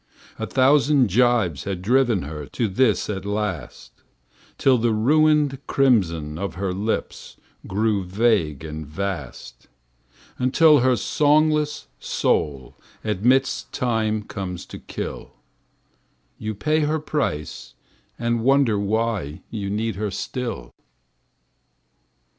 A thousand jibes had driven her To this at last; Till the ruined crimson of her lips Grew vague and vast. Until her songless soul admits Time comes to kill; You pay her price and wonder why You need her still.